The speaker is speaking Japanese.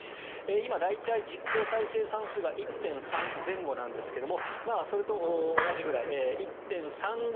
今、大体、実効再生産数が１．３前後なんですがそれと同じぐらい１．３５